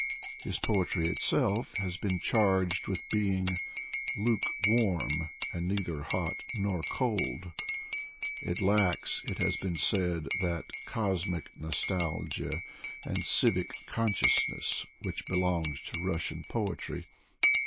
His poetry itself has been charged with being " lukewarm and neither cold nor hot.'' It lacks, it has been said, that cosmic nostalgia and civic con sciousness which belong to Russian poetry.